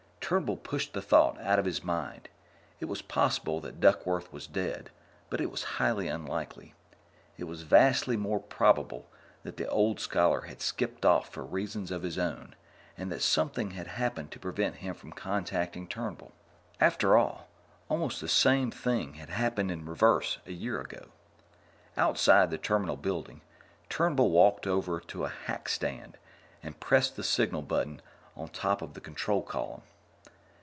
Turnbull pushed the thought out of his mind. It was possible that Duckworth was dead, but it was highly unlikely. It was vastly more probable that the old scholar had skipped off for reasons of his own and that something had happened to prevent him from contacting Turnbull. After all, almost the same thing had happened in reverse a year ago. Outside the Terminal Building, Turnbull walked over to a hackstand and pressed the signal button on the top of the control column.